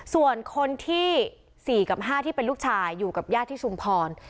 ส่วนคนที่๔กับ๕ที่เป็นลูกชายอยู่กับญาติที่ชุมพร